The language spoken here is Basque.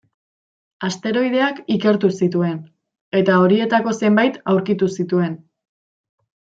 Asteroideak ikertu zituen, eta horietako zenbait aurkitu zituen.